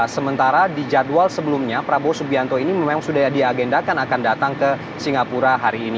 sementara di jadwal sebelumnya prabowo subianto ini memang sudah diagendakan akan datang ke singapura hari ini